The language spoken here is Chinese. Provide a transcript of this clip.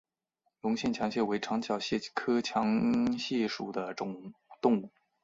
隆线强蟹为长脚蟹科强蟹属的动物。